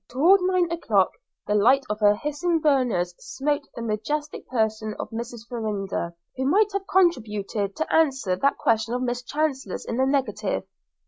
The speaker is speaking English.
Toward nine o'clock the light of her hissing burners smote the majestic person of Mrs. Farrinder, who might have contributed to answer that question of Miss Chancellor's in the negative.